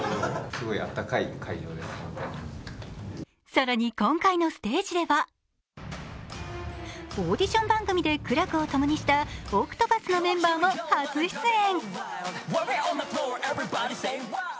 更に今回のステージではオーディション番組で苦楽をともにしたＯＣＴＰＡＴＨのメンバーも初出演。